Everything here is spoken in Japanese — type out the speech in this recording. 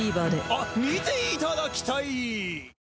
あっ見ていただきたい！